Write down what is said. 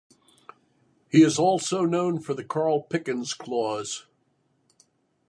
He is also known for the "Carl Pickens Clause".